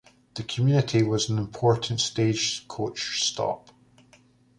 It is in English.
The community was an important stagecoach stop.